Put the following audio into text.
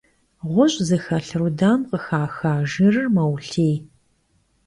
Ğuş' zıxelh rudam khıxaxa jjırır meulhiy.